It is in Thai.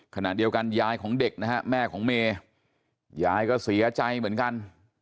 ขณะเดียวกันยายของเด็กนะฮะแม่ของเมยายก็เสียใจเหมือนกัน